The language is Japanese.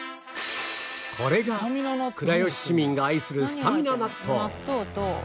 これが倉吉市民が愛するスタミナ納豆